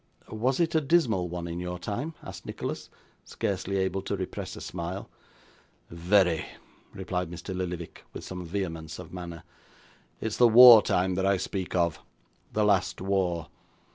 'Was it a dismal one in your time?' asked Nicholas, scarcely able to repress a smile. 'Very,' replied Mr. Lillyvick, with some vehemence of manner. 'It's the war time that I speak of; the last war.